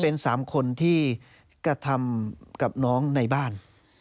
เป็น๓คนที่กระทำกับน้องในบ้าน